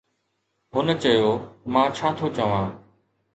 هن چيو: مان ڇا ٿو چوان؟